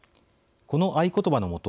この合言葉の下